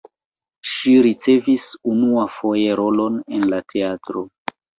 Ŝi ricevis unuafoje rolon en la teatro.